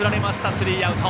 スリーアウト。